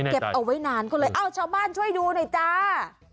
เก็บเอาไว้นานก็เลยเอ้าชาวบ้านช่วยดูหน่อยจ้า